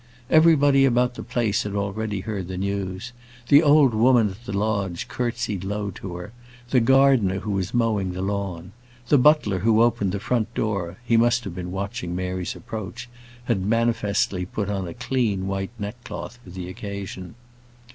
Everybody about the place had already heard the news. The old woman at the lodge curtsied low to her; the gardener, who was mowing the lawn; the butler, who opened the front door he must have been watching Mary's approach had manifestly put on a clean white neckcloth for the occasion.